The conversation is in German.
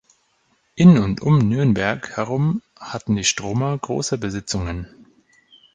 In und um Nürnberg herum hatten die Stromer große Besitzungen.